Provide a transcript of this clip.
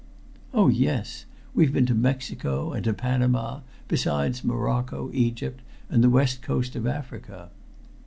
"Oh, yes. We've been to Mexico, and to Panama, besides Morocco, Egypt, and the West Coast of Africa."